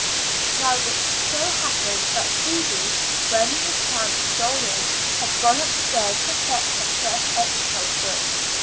Now it so happened that Susy, just when the tramp stole in, had gone upstairs to fetch a fresh exercise book.